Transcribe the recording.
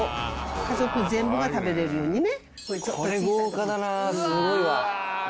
家族全部が食べれるようにね。